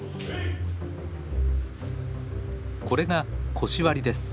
これが腰割りです。